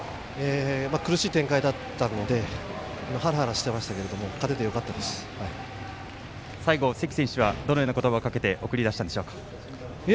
苦しい展開だったのではらはらしてましたけど最後、関選手にはどのような言葉をかけて送り出したんでしょうか。